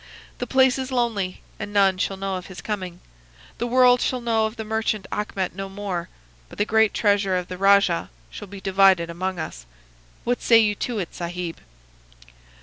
The place is lonely, and none shall know of his coming. The world shall know of the merchant Achmet no more, but the great treasure of the rajah shall be divided among us. What say you to it, Sahib?